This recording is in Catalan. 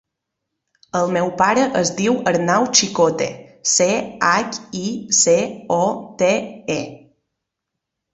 El meu pare es diu Arnau Chicote: ce, hac, i, ce, o, te, e.